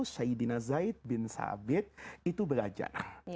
sayyidina zaid bin sabit itu belajar